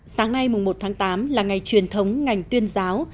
sáng nay một tám là ngày truyền thống ngành tuyên giáo